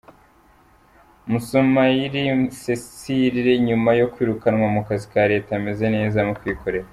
Musomayire Cecile nyuma yo kwirukanwa mu kazi ka Leta ameze neza mu kwikorera.